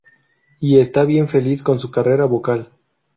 Y esta bien feliz con su carrera vocal.